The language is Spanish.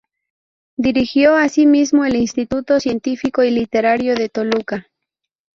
Dirigió asimismo el Instituto Científico y Literario de Toluca.